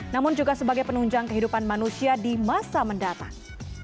namun juga sebagai penunjang kehidupan manusia di masa mendatang